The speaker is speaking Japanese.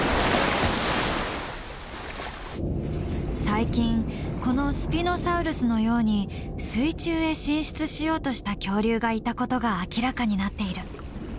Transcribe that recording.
最近このスピノサウルスのように水中へ進出しようとした恐竜がいたことが明らかになっている。